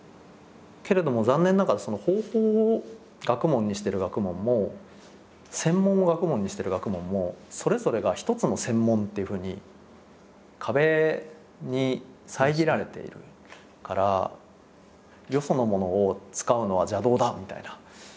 けれども残念ながらその方法を学問にしてる学問も専門を学問にしてる学問もそれぞれが一つの専門っていうふうに壁に遮られているからよそのものを使うのは邪道だみたいな。